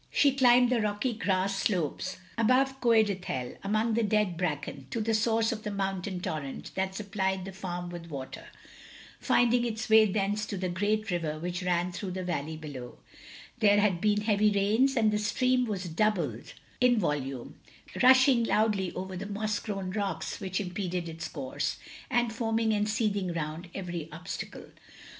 She climbed the rocky grass slopes above Coed Ithel, among the dead bracken, to the source of the motmtain torrent that supplied the farm with water, finding its way thence to the great river which ran through the valley below; there had been heavy rains, and the stream was doubled in voltraie, rushing loudly over the moss grown rocks which impeded its course, and foaming and seething round every obstacle.